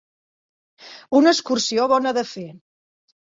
Una excursió bona de fer.